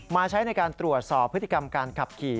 ใช้ในการตรวจสอบพฤติกรรมการขับขี่